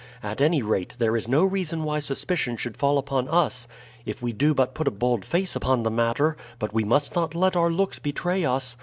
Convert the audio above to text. At any rate, there is no reason why suspicion should fall upon us if we do but put a bold face upon the matter; but we must not let our looks betray us.